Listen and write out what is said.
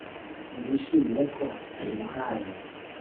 nibishimire ko imuhaye